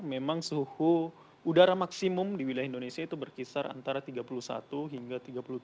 memang suhu udara maksimum di wilayah indonesia itu berkisar antara tiga puluh satu hingga tiga puluh tujuh